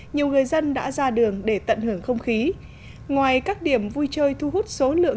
nhiều người dân đã ra đường để tận hưởng không khí ngoài các điểm vui chơi thu hút số lượng